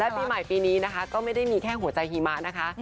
ปีใหม่ปีนี้นะคะก็ไม่ได้มีแค่หัวใจหิมะนะคะ